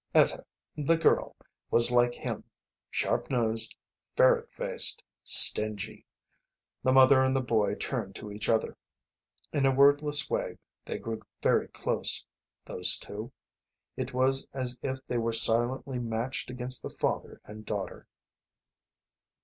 Etta, the girl, was like him, sharp nosed, ferret faced, stingy. The mother and the boy turned to each other. In a wordless way they grew very close, those two. It was as if they were silently matched against the father and daughter.